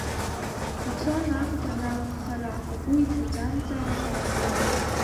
Ицон аӷба наҟ хара, агәы иҭаӡамзаап ахынҳәра.